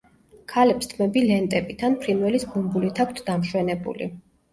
ქალებს თმები ლენტებით ან ფრინველის ბუმბულით აქვთ დამშვენებული.